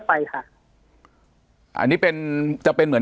ปากกับภาคภูมิ